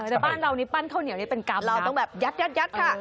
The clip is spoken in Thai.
แต่บ้านเรานี่ปั้นข้าวเหนียวนี่เป็นกามเราต้องแบบยัดค่ะ